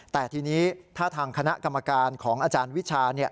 แต่ทีนี้ถ้าทางคณะกรรมการของอาจารย์วิชา